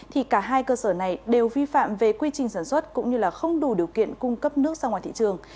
thì cả hai cơ sở này đều vi phạm về quy trình sản xuất cũng như không đủ điều kiện cung cấp nước ra ngoài thị trường